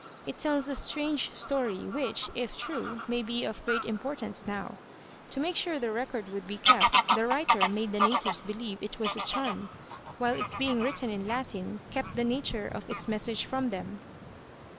It tells a strange story, which, if true, may be of great importance now. To make sure the record would be kept the writer made the natives believe it was a charm, while its being written in Latin kept the nature of its message from them."